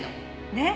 「ねっ。